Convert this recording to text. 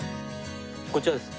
こちらです。